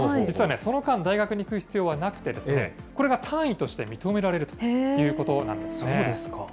実はね、その間、大学に行く必要はなくて、これが単位として認められるということなんですね。